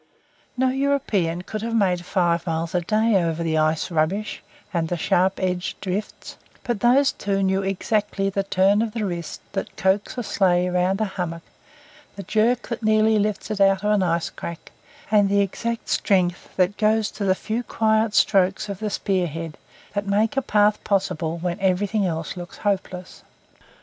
No European could have made five miles a day over the ice rubbish and the sharp edged drifts; but those two knew exactly the turn of the wrist that coaxes a sleigh round a hummock, the jerk that nearly lifts it out of an ice crack, and the exact strength that goes to the few quiet strokes of the spear head that make a path possible when everything looks hopeless.